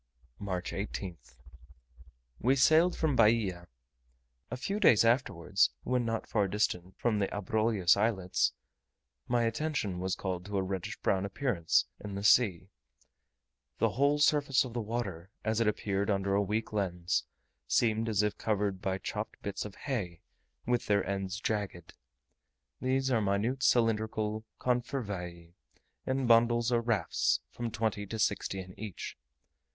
March 18th. We sailed from Bahia. A few days afterwards, when not far distant from the Abrolhos Islets, my attention was called to a reddish brown appearance in the sea. The whole surface of the water, as it appeared under a weak lens, seemed as if covered by chopped bits of hay, with their ends jagged. These are minute cylindrical confervae, in bundles or rafts of from twenty to sixty in each.